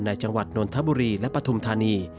จังหวัดนนทบุรีและปฐุมธานี